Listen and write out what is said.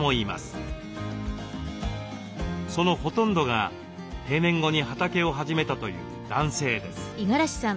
そのほとんどが定年後に畑を始めたという男性です。